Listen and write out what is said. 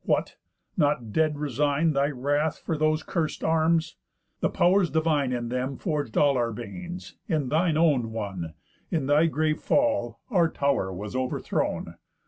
What! not dead resign Thy wrath for those curst arms? The Pow'rs divine In them forg'd all our banes, in thine own one, In thy grave fall our tower was overthrown.